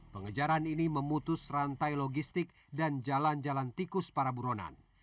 pengejaran ini memutus rantai logistik dan jalan jalan tikus para buronan